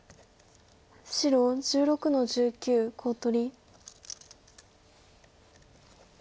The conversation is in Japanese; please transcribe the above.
白１６の十九コウ取り。